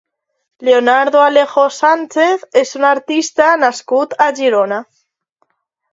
Leonardo Alejo Sánchez és un artista nascut a Girona.